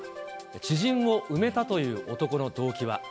知人を埋めたという男の動機は。